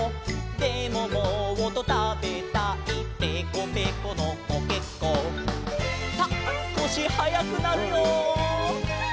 「でももっとたべたいぺこぺこのコケッコー」さあすこしはやくなるよ。